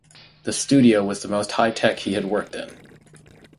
The studio was the most high tech he had worked in.